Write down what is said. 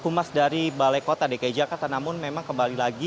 humas dari balai kota dki jakarta namun memang kembali lagi